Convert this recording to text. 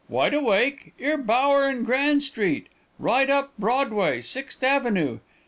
'Wide awake, 'ere Bower' un' Gran' street.' 'Right up Broadway, Sixth Avenue.'